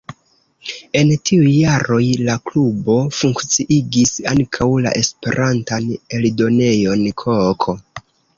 En tiuj jaroj la klubo funkciigis ankaŭ la Esperantan eldonejon “Koko”.